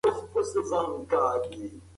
ښځه د کور دروازه وتړله.